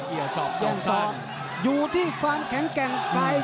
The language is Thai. เกี่ยวสอบต่อสั้นอยู่ที่ความแข็งแกร่งใคร